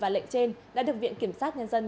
và lệnh trên đã được viện kiểm sát nhân dân